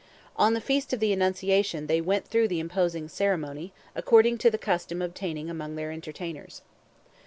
On the Feast of the Annunciation they went through the imposing ceremony, according to the custom obtaining among their entertainers.